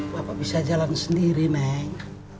bapak bisa jalan sendiri neng